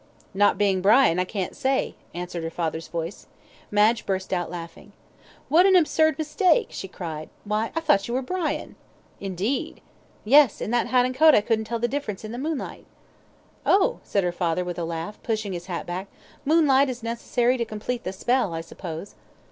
"Not being Brian, I can't say," answered her father's voice. Madge burst out laughing. "What an absurd mistake," she cried. "Why, I thought you were Brian." "Indeed!" "Yes; in that hat and coat I couldn't tell the difference in the moonlight." "Oh," said her father, with a laugh, pushing his hat back, "moonlight is necessary to complete the spell, I suppose?"